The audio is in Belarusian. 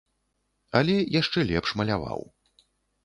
Але яшчэ лепш маляваў.